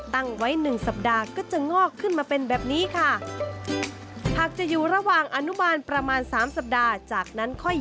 ตั้งไว้๑สัปดาห์ก็จะงอกขึ้นมาเป็นแบบนี้ค่ะ